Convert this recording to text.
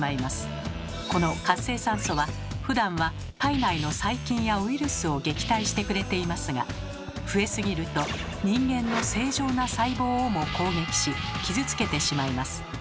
この活性酸素はふだんは体内の細菌やウイルスを撃退してくれていますが増えすぎると人間の正常な細胞をも攻撃し傷つけてしまいます。